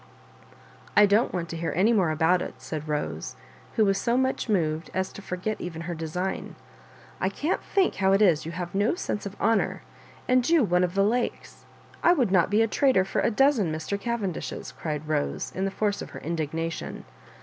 " I don't want to hear any more about it," said Bose, who was so much moved as to for get even her design. "I can't think. how it is you have no sense of honour, and you one of the Lakes. I would not be a traitor for a dozen Mr. Cavendishes I" cried Bose, in the force of her indignation.